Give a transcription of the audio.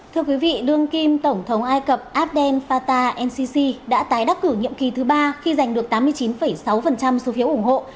thưa quý vị đương kim tổng thống ai cập abdel fatah ncc đã tái đắc cử nhiệm kỳ thứ ba khi giành được tám mươi chín sáu số phiếu ủng hộ